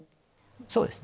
そうですね